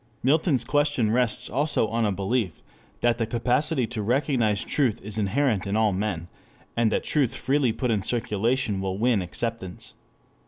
Milton's question rests also on a belief that the capacity to recognize truth is inherent in all men, and that truth freely put in circulation will win acceptance.